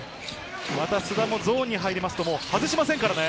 須田もゾーンに入ると外しませんからね。